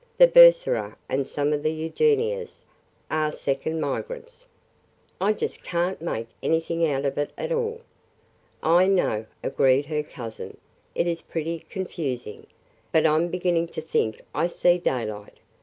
... The Bursera and some of the Eugenias are second migrants. ...' I just can't make anything out of it at all!" "I know," agreed her cousin, "it is pretty confusing, but I 'm beginning to think I see daylight.